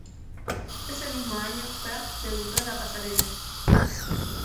Ese mismo año Pratt debutó en la pasarela.